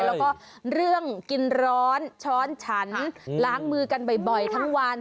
แล้วก็เรื่องกินร้อนช้อนฉันล้างมือกันบ่อยทั้งวัน